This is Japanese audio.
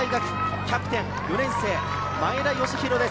キャプテン４年生・前田義弘です。